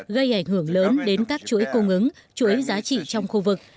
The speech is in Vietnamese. gây ảnh hưởng lớn đến các chuỗi cung ứng chuỗi giá trị trong khu vực